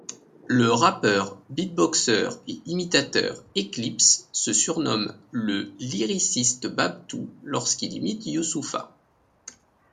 Le rappeur, beatboxer et imitateur Eklips se surnomme le Lyriciste Babtou lorsqu'il imite Youssoupha.